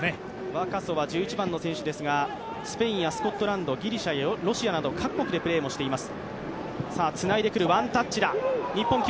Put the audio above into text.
ワカソは１８番の選手ですがスペイン、スコットランドギリシャ、ロシアなど各国でプレーをしています。